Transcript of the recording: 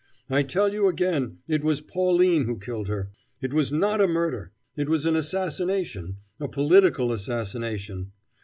I tell you again it was Pauline who killed her. It was not a murder! It was an assassination a political assassination.